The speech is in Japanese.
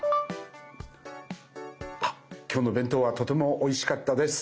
今日の弁当はとてもおいしかったです。